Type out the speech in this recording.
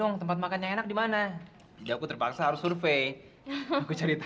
kamu dateng kalau saya panggil ke sini